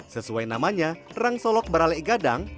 sesuai namanya rang solok barale gadang